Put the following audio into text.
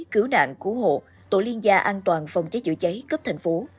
cứu nạn cứu hộ tổ liên gia an toàn phòng cháy chữa cháy cấp thành phố